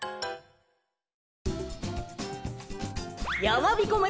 やまびこ村